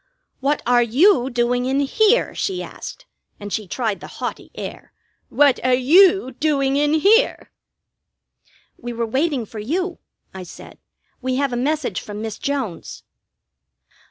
"What are you doing in here?" she asked, and she tried the haughty air "What are you doing in here?" "We were waiting for you," I said. "We have a message from Miss Jones."